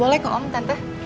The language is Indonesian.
boleh kok om tante